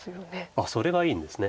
あっそれがいいんですね。